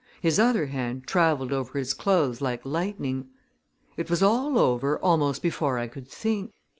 His other hand traveled over his clothes like lightning. It was all over almost before I could think.